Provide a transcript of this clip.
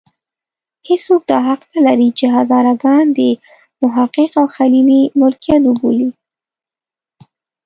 هېڅوک دا حق نه لري چې هزاره ګان د محقق او خلیلي ملکیت وبولي.